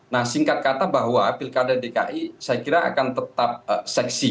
nah singkat kata bahwa pilkada dki saya kira akan tetap seksi